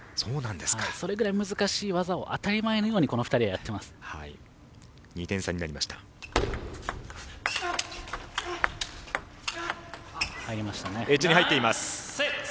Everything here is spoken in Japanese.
それぐらい難しい技を当たり前のようにエッジに入っています。